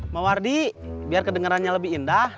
mawardi biar kedengerannya lebih indah